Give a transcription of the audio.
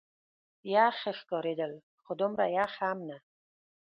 یخ ښکارېدل، خو دومره یخ هم نه.